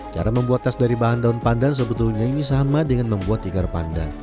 cara membuat tas dari bahan daun pandan sebetulnya ini sama dengan membuat tikar pandan